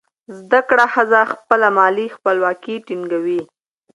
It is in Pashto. زده کړه ښځه خپله مالي خپلواکي ټینګوي.